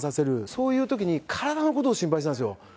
そういうときに、体のことを心配してたんですよ。